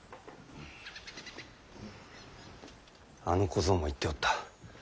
あの小僧も言っておった。